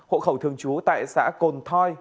hộ khẩu thường trú tại xã cồn thoi